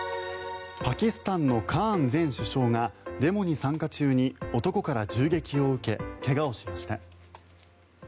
パキスタンのカーン前首相がデモに参加中に男から銃撃を受け怪我をしました。